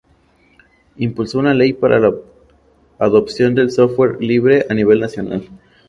Impulsó una ley para la adopción del Software Libre a nivel nacional.